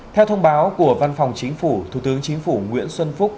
theo thông báo của văn phòng chính phủ thủ tướng chính phủ nguyễn xuân phúc